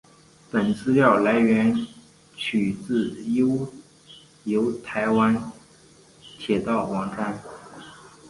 本资料来源取自悠游台湾铁道网站。